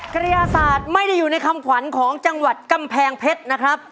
กระยาศาสตร์ไม่ได้อยู่ในคำขวัญของจังหวัดกำแพงเพชรนะครับ